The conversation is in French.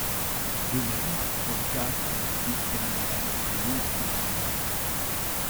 De même pour le caractère Big Endian des nombres utilisés.